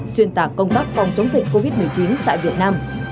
xuyên tạc công tác phòng chống dịch covid một mươi chín tại việt nam